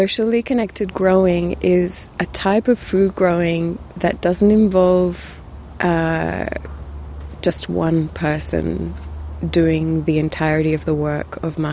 saya hanya satu orang yang melakukan seluruh kerja penjajahan pasar